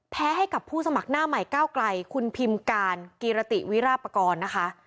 แพ้ให้กับผู้สมัครหน้าใหม่ก้าวไกลคุณพิมพ์การกีรติวิราปกรณ์นะคะ